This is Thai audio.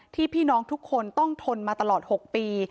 พี่น้องทุกคนต้องทนมาตลอด๖ปี